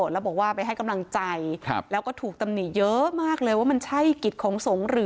แล้วบอกว่าไปให้กำลังใจแล้วก็ถูกตำหนิเยอะมากเลยว่ามันใช่กิจของสงฆ์หรือ